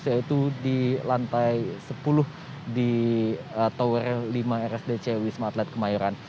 yaitu di lantai sepuluh di tower lima rsdc wisma atlet kemayoran